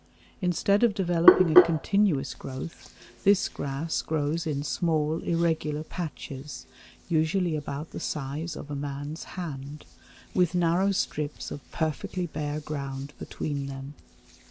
Instead of developing a continuous growth, this grass grows in small, irregular patches, usually about the size of a man's hand, with narrow strips of perfectly bare ground between them.